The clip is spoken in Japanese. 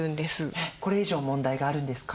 えっこれ以上問題があるんですか？